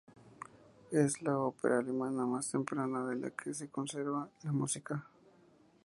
Es la ópera alemana más temprana de la que se conserva la música.